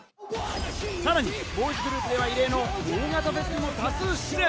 さらにボーイズグループでは異例の大型フェスにも多数出演。